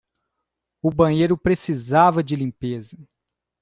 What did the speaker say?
O banheiro precisava de limpeza.